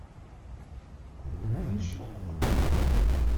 Nnejli.